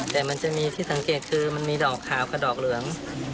แต่มันจะมีที่สังเกตคือมันมีดอกขาวกับดอกเหลือง